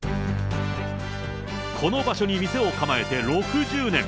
この場所に店を構えて６０年。